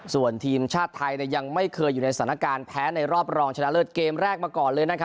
ส่วนทีมชาติไทยยังไม่เคยอยู่ในสถานการณ์แพ้ในรอบรองชนะเลิศเกมแรกมาก่อนเลยนะครับ